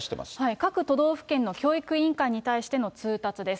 各都道府県の教育委員会に対しての通達です。